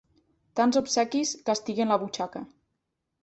Tants obsequis castiguen la butxaca.